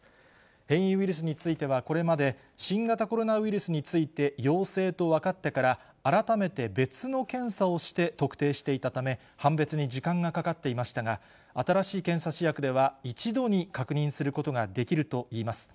変異ウイルスについてはこれまで、新型コロナウイルスについて陽性と分かってから、改めて別の検査をして特定していたため、判別に時間がかかっていましたが、新しい検査試薬では、一度に確認することができるといいます。